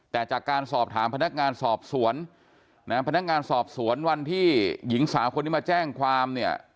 แต่จากการสอบถามพนักงานสอบสวนนะฮะพนักงานสอบสวนวันที่หญิงสาวคนนี้มาแจ้งความเนี่ย